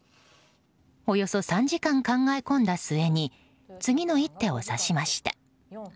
およそ３時間考え込んだ末に次の一手を指しました。